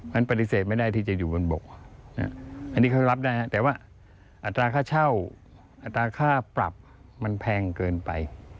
มันปฏิเสธไม่ได้ที่จะอยู่บนบกอันนี้เขารับได้แต่ว่าอัตราค่าเช่าอัตราค่าปรับมันแพงเกินไป